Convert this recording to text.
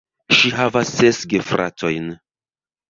Ŝi havas ses gefratojn.